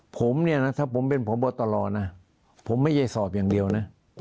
ผมเนี่ยนะถ้าผมเป็นพบตรนะผมไม่ใช่สอบอย่างเดียวนะ